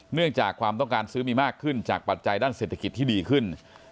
เนื่องจากความต้องการซื้อมีมากขึ้นจากปัจจัยด้านเศรษฐกิจที่ดีขึ้น